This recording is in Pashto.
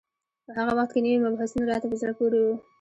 په هغه وخت کې نوي مبحثونه راته په زړه پورې وو.